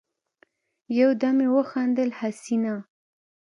يودم يې وخندل: حسينه!